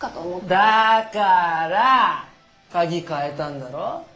だからぁ鍵替えたんだろ？